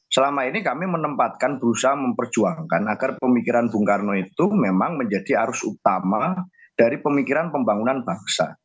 selama ini kami menempatkan berusaha memperjuangkan agar pemikiran bung karno itu memang menjadi arus utama dari pemikiran pembangunan bangsa